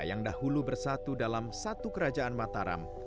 yang dahulu bersatu dalam satu kerajaan mataram